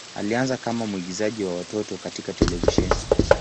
Alianza kama mwigizaji wa watoto katika televisheni.